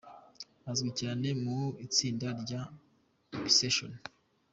Azwi cyane mu itsinda rya Obsession.